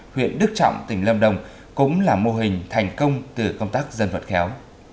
huyện đức trọng tỉnh lâm đồng cũng là mô hình thành công từ công tác dân vận khéo